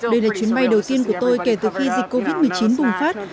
đây là chuyến bay đầu tiên của tôi kể từ khi dịch covid một mươi chín bùng phát